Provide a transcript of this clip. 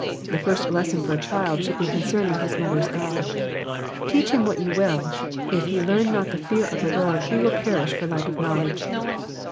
The first lesson for a child should be concerning his mother's God. Teach him what you will, if he learn not the fear of the Lord, he will perish for lack of knowledge.